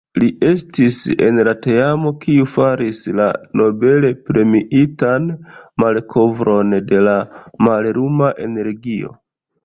Li estis en la teamo kiu faris la Nobel-premiitan malkovron de la malluma energio.